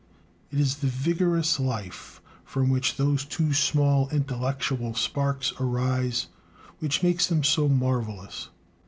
It is the vigorous life from which those two small intellectual sparks arise, which makes them so marvelous.